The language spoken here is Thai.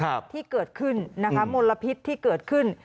ที่เกิดขึ้นนะคะมลพิษที่เกิดขึ้น